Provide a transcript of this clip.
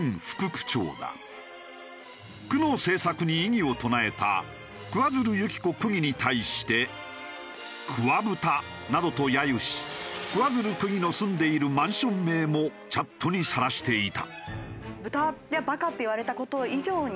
区の政策に異議を唱えた桑水流弓紀子区議に対して「桑ブタ」などと揶揄し桑水流区議の住んでいるマンション名もチャットにさらしていた。